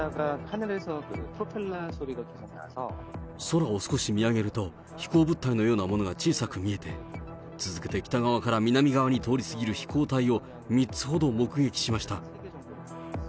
空を少し見上げると、飛行物体のようなものが小さく見えて、続けて北側から南側に通り過ぎる飛行体を３つほど目撃しました。